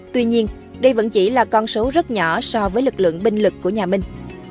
tuy nhiên đây vẫn chỉ là con số rất nhỏ so với lực lượng binh lực của nhà minh